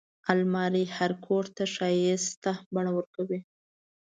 الماري هر کوټ ته ښايسته بڼه ورکوي